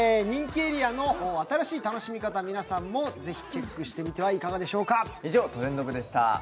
人気エリアの新しい楽しみ方、皆さんもぜひチェックしてみてはいかがでしょうか。